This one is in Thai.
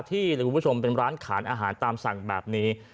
ที่เลยคุณผู้ชมเป็นร้านขายอาหารตามสั่งแบบนี้